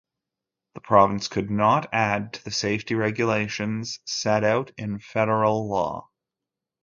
The province could not add to the safety regulations set out in federal law.